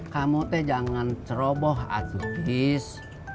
kamu teh jangan ceroboh atuh tis